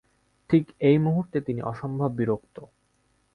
ঠিক এই মুহূর্তে তিনি অসম্ভব বিরক্ত।